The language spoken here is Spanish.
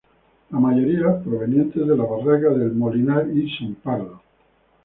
La mayoría, provenientes de las barracas de El Molinar y Son Pardo.